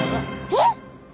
えっ？